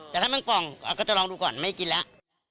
แต่ถ้ามันกล่องก็จะลองดูก่อนไม่กินแล้ว